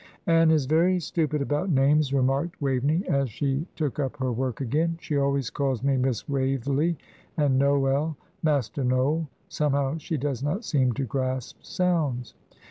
"Ann is very stupid about names," remarked Waveney, as she took up her work again. "She always calls me Miss Waverley and Noel, Master Noll. Somehow she does not seem to grasp sounds."